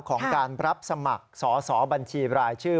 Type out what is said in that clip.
ของการรับสมัครสอสอบัญชีรายชื่อ